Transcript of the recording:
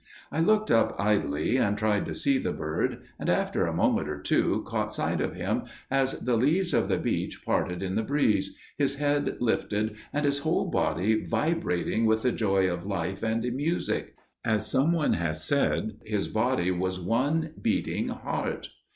I looked up idly and tried to see the bird, and after a moment or two caught sight of him as the leaves of the beech parted in the breeze, his head lifted and his whole body vibrating with the joy of life and music. As some one has said, his body was one beating heart.